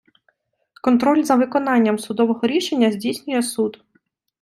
Контроль за виконанням судового рішення здійснює суд.